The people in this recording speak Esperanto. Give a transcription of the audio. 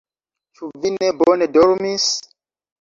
Ĉu vi ne bone dormis?